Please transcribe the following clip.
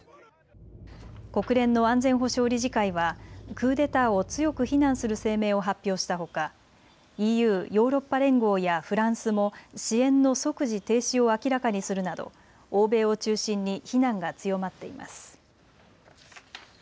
国連の安全保障理事会はクーデターを強く非難する声明を発表したほかＥＵ・ヨーロッパ連合やフランスも支援の即時停止を明らかにするなど欧米を中心に非難が強まっています。